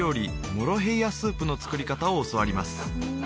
モロヘイヤスープの作り方を教わります